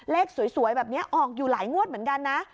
เลขสวยแบบนี้ออกอยู่หลายงวดเหมือนกันนะ